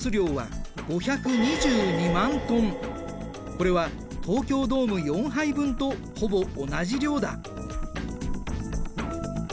これは東京ドーム４杯分とほぼ同じ量だ。